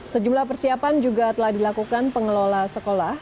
sejumlah persiapan juga telah dilakukan pengelola sekolah